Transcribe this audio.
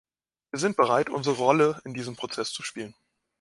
Wir sind bereit, unsere Rolle in diesem Prozess zu spielen.